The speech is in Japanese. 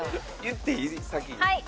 言っていい？